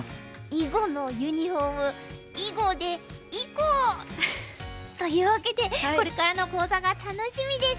囲碁のユニフォーム囲碁でいこう！というわけでこれからの講座が楽しみです。